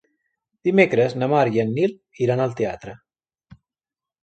Dimecres na Mar i en Nil iran al teatre.